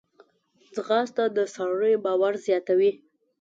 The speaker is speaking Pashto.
ځغاسته د سړي باور زیاتوي